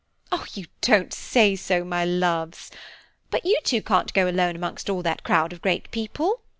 "You don't say so, my loves? but you two can't go alone amongst all that crowd of great people."